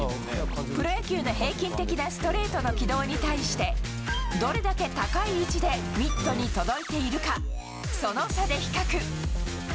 プロ野球の平均的なストレートの軌道に対して、どれだけ高い位置でミットに届いているか、その差で比較。